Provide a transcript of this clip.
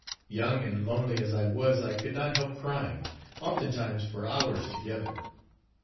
Young and lonely as I was, I could not help crying, oftentimes for hours together.